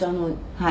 はい。